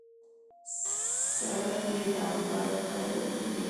سړک یې ډامبر کړی دی.